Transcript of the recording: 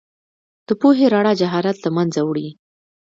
د پوهې رڼا جهالت له منځه وړي.